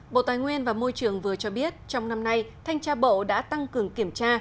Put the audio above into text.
bộ tài nguyên và môi trường vừa cho biết trong năm nay thanh tra bộ đã tăng cường kiểm tra